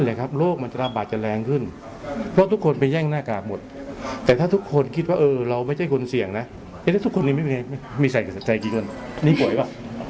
แล้วถ้าทุกคนเนี่ยไม่เป็นไงมีใส่ใส่ใส่กี่คนนี่ป่วยป่ะไม่ใช่ป่วยใช่ป่ะ